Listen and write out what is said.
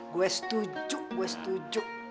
gue setujuk gue setujuk